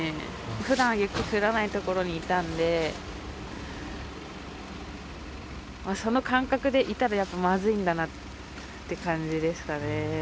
ふだん雪降らない所にいたんで、その感覚でいたら、やっぱまずいんだなって感じでしたね。